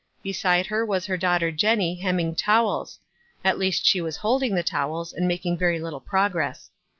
Beside her was her daughter Jenny, hemming towels ; at least she was holding the towels, and making very little progress.